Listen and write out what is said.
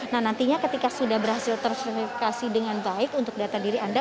nah nantinya ketika sudah berhasil terserifikasi dengan baik untuk data diri anda